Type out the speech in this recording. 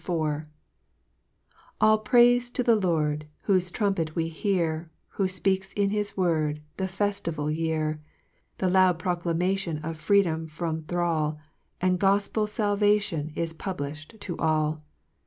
HYMN IV. 1 A LL praife to the Lord, Whofe trumpet we hear, „l\. Which fpeaks in his word, The feftival year : The loud proclamation Of freedojn from thrall, And gofpcl falvation Is publifh'd td all.